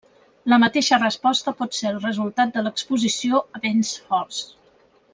La mateixa resposta pot ser el resultat de l'exposició a vents forts.